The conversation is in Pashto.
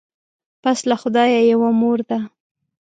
پس له خدایه یوه مور ده